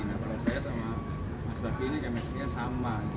nah kalau saya sama mas raffi ini kemestrinya sama